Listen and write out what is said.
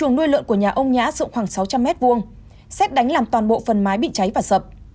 ông nhã dựng khoảng sáu trăm linh m hai xét đánh làm toàn bộ phần mái bị cháy và sập